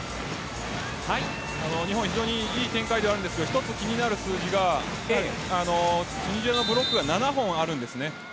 日本、非常にいい展開ではあるんですが１つ気になる数字がチュニジアのブロックが７本あるんですね。